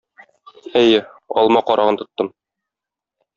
Әйе, алма карагын тоттым.